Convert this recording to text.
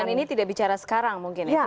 ini tidak bicara sekarang mungkin ya